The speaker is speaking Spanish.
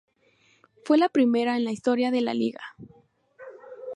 Fue la primera en la historia de la liga.